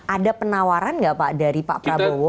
ada penawaran nggak pak dari pak prabowo